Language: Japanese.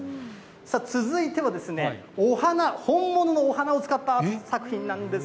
さあ、続いてはお花、本物のお花を使った作品なんです。